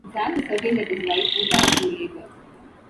Zal was certain that his wife would die in labor.